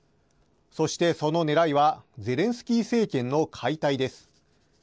そして、そのねらいはゼレンスキー政権の解体です。